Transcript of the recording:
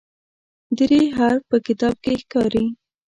د "ر" حرف په کتاب کې ښکاري.